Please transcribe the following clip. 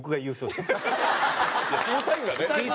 いや審査員がね。